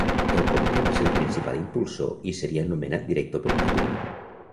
El comte va ser el principal impulsor i seria nomenat director perpetu.